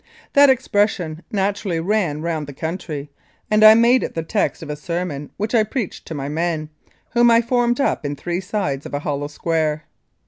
That expression naturally ran round the country, and I made it the text of a sermon which I preached to my men, whom I formed up in three sides of a hollow square.